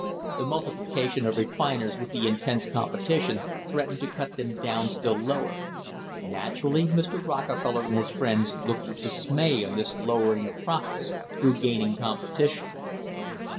The multiplication of refiners with the intense com petition threatened to cut them down still lower. Naturally Mr. Rockefeller and his friends looked with dismay on this lowering of profits through gaining competition.